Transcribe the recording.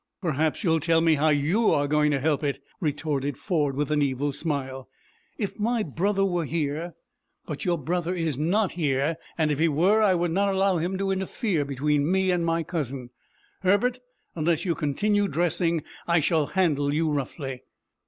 "Perhaps you will tell me how you are going to help it," retorted Ford, with an evil smile. "If my brother were here " "But your brother is not here, and if he were, I would not allow him to interfere between me and my cousin. Herbert, unless you continue dressing, I shall handle you roughly."